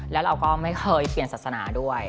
แล้วเราก็ไม่เคยเปลี่ยนศาสนาด้วย